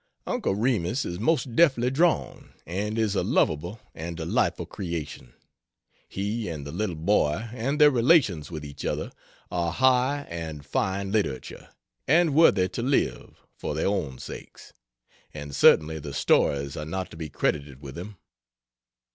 Uncle Remus is most deftly drawn, and is a lovable and delightful creation; he, and the little boy, and their relations with each other, are high and fine literature, and worthy to live, for their own sakes; and certainly the stories are not to be credited with them.